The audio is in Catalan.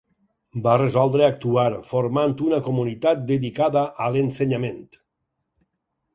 Va resoldre actuar, formant una comunitat dedicada a l'ensenyament.